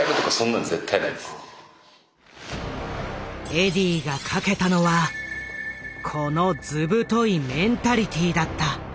エディーがかけたのはこのずぶといメンタリティーだった。